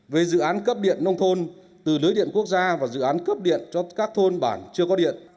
về dự án cấp điện nông thôn từ lưới điện quốc gia và dự án cấp điện cho các thôn bản chưa có điện